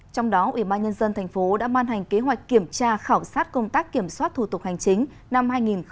trong đó ubnd tp đã ban hành kế hoạch kiểm tra khảo sát công tác kiểm soát thủ tục hành chính năm hai nghìn hai mươi